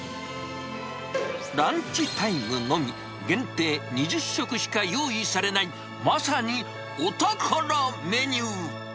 ランチタイムのみ、限定２０食しか用意されない、まさにお宝メニュー。